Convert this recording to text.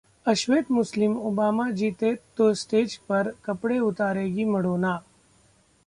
‘अश्वेत मुस्लिम’ ओबामा जीते तो स्टेज पर कपड़े उतारेंगी मडोना